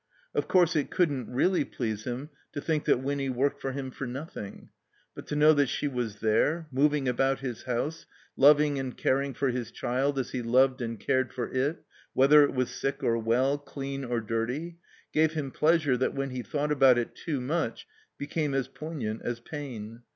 Of course it couldn't really please him to think that Winny worked for him for nothing; but to know that she was there, moving about his house, loving and caring for his child as he loved and cared for it, whether it was sick or well, dean or dirty, gave him pleasure that when he thought about it too much became as poignant as pain.